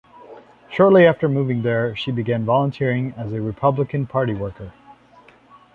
Shortly after moving there, she began volunteering as a Republican Party worker.